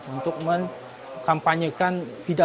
untuk mengkampanyekan bidang pendidikan